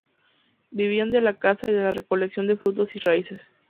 Vivían de la caza y de la recolección de frutos y raíces.